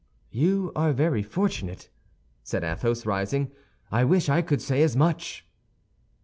"You are very fortunate," said Athos, rising; "I wish I could say as much!"